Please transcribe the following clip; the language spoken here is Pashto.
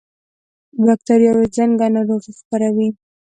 بکتریاوې څنګه ناروغي خپروي؟